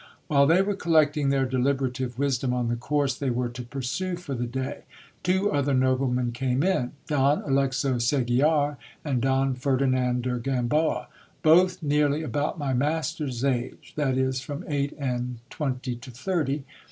While they were collecting their deliberative wisdom on the course they were to pursue for the day, two other noblemen came in ; Don Alexo Segiar and Don Ferdinand de Gamboa ; both nearly about my master's age, that is, from eight and twenty to thirty.